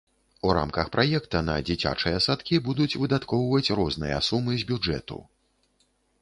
У рамках праекта на дзіцячыя садкі будуць выдаткоўваць розныя сумы з бюджэту.